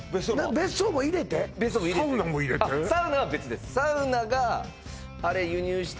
別荘も入れてサウナも入れて？